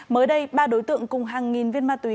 mới đây ba đối tượng cùng hàng nghìn viên ma túy